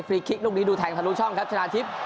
คลิกลูกนี้ดูแทงทะลุช่องครับชนะทิพย์